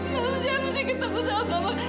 maksudnya mesti ketemu sama mama